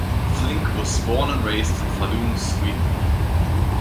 Flink was born and raised in Falun, Sweden.